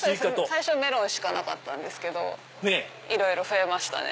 最初はメロンしかなかったけどいろいろ増えましたね。